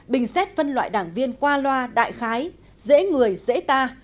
bình xét phân loại đảng viên qua loa đại khái dễ người dễ ta